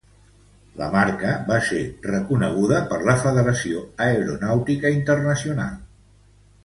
La marca va ser reconeguda per la Federació Aeronàutica Internacional.